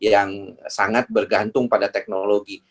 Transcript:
yang sangat bergantung pada teknologi